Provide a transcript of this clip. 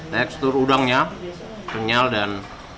tekstur udangnya kenyal dan